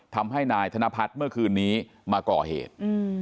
ทำให้นายธนพัฒน์เมื่อคืนนี้มาก่อเหตุ